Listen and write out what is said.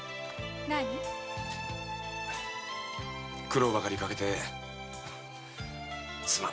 苦労ばかりかけてすまん。